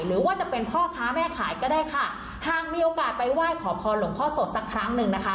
หรือว่าจะเป็นพ่อค้าแม่ขายก็ได้ค่ะหากมีโอกาสไปไหว้ขอพรหลวงพ่อสดสักครั้งหนึ่งนะคะ